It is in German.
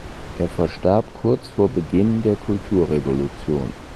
Er verstarb kurz vor Beginn der Kulturrevolution.